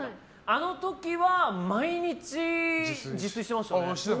あの時は毎日自炊してましたね。